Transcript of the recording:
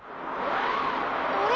あれ？